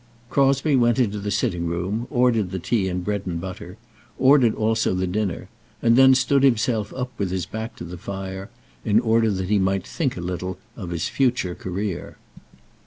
Crosbie went into the sitting room, ordered the tea and bread and butter, ordered also the dinner, and then stood himself up with his back to the fire, in order that he might think a little of his future career.